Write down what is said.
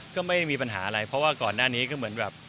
ก็ไม่มีปัญหาอะไรเพราะว่าก่อนหน้านี้ก็เหมือนแบบ